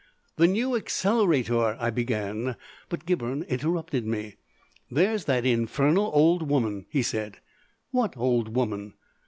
"The New Accelerator " I began, but Gibberne interrupted me. "There's that infernal old woman!" he said. "What old woman?"